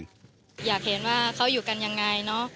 อยากเห็นว่าเขาอยู่กันอย่างไร